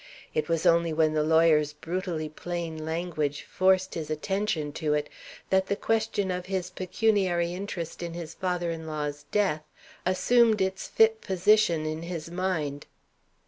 It was only when the lawyer's brutally plain language forced his attention to it that the question of his pecuniary interest in his father in law's death assumed its fit position in his mind.